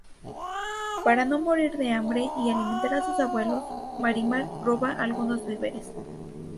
Para no morir de hambre y alimentar a sus abuelos, Marimar roba algunos víveres.